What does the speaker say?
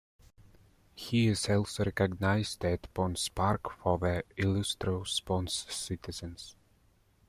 He is also recognized at Ponce's Park for the Illustrious Ponce Citizens.